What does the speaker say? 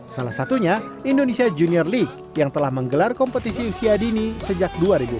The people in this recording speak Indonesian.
salah satunya indonesia junior league yang telah menggelar kompetisi usia dini sejak dua ribu empat belas